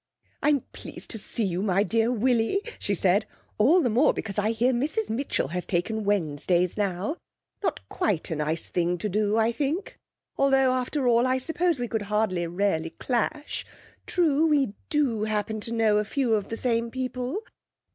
'I'm pleased to see you, my dear Willie,' she said; 'all the more because I hear Mrs Mitchell has taken Wednesdays now. Not quite a nice thing to do, I think; although, after all, I suppose we could hardly really clash. True, we do happen to know a few of the same people.'